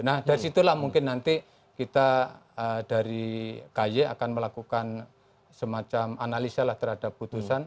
nah dari situlah mungkin nanti kita dari ky akan melakukan semacam analisa lah terhadap putusan